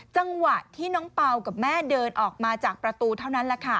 จังหวะที่น้องเป่ากับแม่เดินออกมาจากประตูเท่านั้นแหละค่ะ